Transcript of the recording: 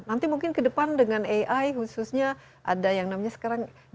nanti mungkin kedepan dengan ai khususnya ada yang namanya sekarang generative ai